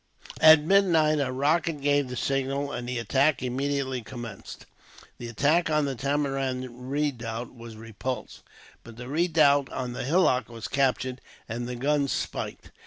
At midnight a rocket gave the signal, and the attack immediately commenced. The attack on the Tamarind redoubt was repulsed, but the redoubt on the hillock was captured, and the guns spiked.